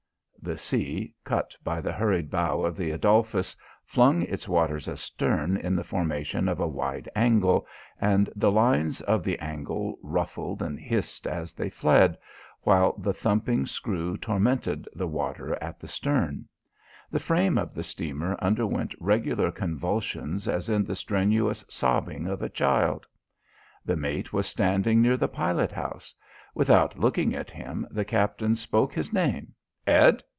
The sea, cut by the hurried bow of the Adolphus, flung its waters astern in the formation of a wide angle and the lines of the angle ruffled and hissed as they fled, while the thumping screw tormented the water at the stern. The frame of the steamer underwent regular convulsions as in the strenuous sobbing of a child. The mate was standing near the pilot house. Without looking at him, the captain spoke his name. "Ed!"